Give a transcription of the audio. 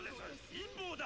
陰謀だ！